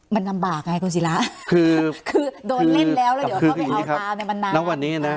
มันนำบากไงคนศิละคือคือโดนเล่นแล้วแล้วเดี๋ยวเขาไปเอาตามันหนานอกวันนี้น่ะ